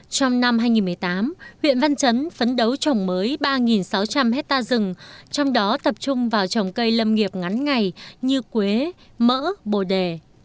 trong năm hai nghìn một mươi tám huyện văn chấn phấn đấu trồng mới ba sáu trăm linh hectare rừng trong đó tập trung vào trồng cây lâm nghiệp ngắn ngày như quế mỡ bồ đề